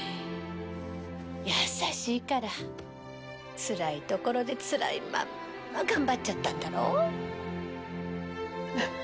優しいからつらいところでつらいまんま頑張っちゃったんだろう？